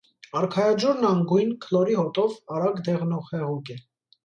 Արքայաջուրն անգույն, քլորի հոտով, արագ դեղնող հեղուկ է։